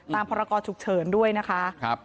ตามภรรากอฉุกเฉินด้วยนะคะ